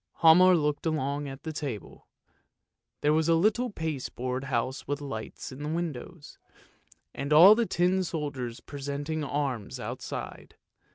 " Hialmar looked along at the table; there was the little pasteboard house with lights in the windows, and all the tin soldiers presenting arms outside.